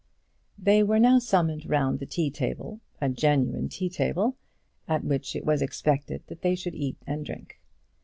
They were now summoned round the tea table, a genuine tea table at which it was expected that they should eat and drink.